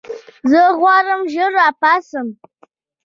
زه غواړم ژر راپاڅم.